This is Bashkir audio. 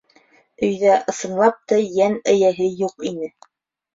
Өйҙә, ысынлап та, йән эйәһе юҡ ине.